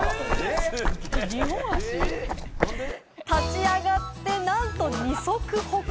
立ち上がってなんと二足歩行！